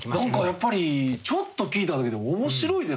やっぱりちょっと聞いただけでも面白いですね。